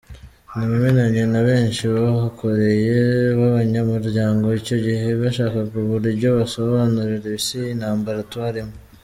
Namenyanye na benshi bahakoreye b’abanyamuryango icyo gihe bashakaga uburyo basobanurira Isi intambara twarimo.